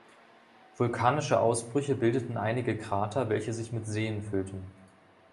Vulkanische Ausbrüche bildeten einige Krater, welche sich mit Seen füllten.